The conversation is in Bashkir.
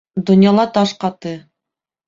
Донъяла таш ҡаты